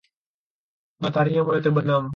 Mataharinya mulai terbenam.